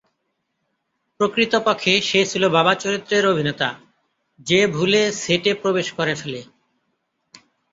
প্রকৃতপক্ষে সে ছিল বাবা চরিত্রের অভিনেতা, যে ভুলে সেটে প্রবেশ করে ফেলে।